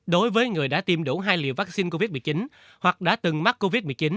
đối với người đã tiêm đủ hai liều vaccine covid một mươi chín hoặc đã từng mắc covid một mươi chín